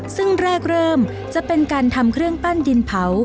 ซึ่งแรกเริ่มจะเป็นการทำเครื่องปั้นดินเผา